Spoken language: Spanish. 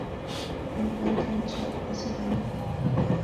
Se encuentra en Chad y Sudán.